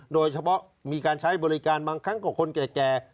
โดยเฉพาะมีการใช้บริการบางครั้งก็คนแก่